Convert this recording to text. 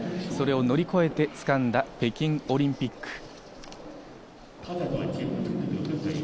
それを乗り越えて掴んだ北京オリンピック。